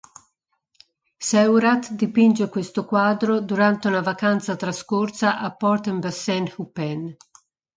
Seurat dipinge questo quadro durante una vacanza trascorsa a Port-en-Bessin-Huppain.